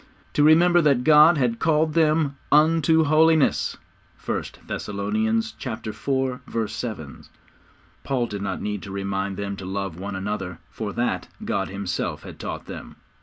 To remember that God had called them 'unto Holiness.' (1 Thessalonians iv. 7.) Paul did not need to remind them to love one another, for that God Himself had taught them.